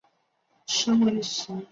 时为十月癸酉朔十八日庚寅。